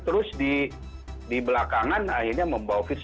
terus di belakangan akhirnya membawa virus